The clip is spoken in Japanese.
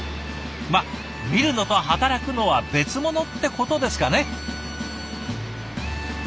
まあ見るのと働くのは別物ってことですかね？